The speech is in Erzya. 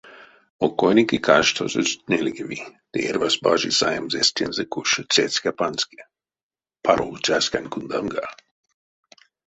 Окойники, каштазось нельгеви, ды эрьвась бажи саемс эстензэ куш цеця панкске —паро уцяскань кундамга.